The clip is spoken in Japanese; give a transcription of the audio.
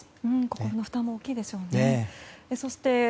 心の負担も大きいですよね。